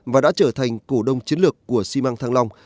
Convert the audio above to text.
và đã trở thành cổ đông chiến lược của simang thang long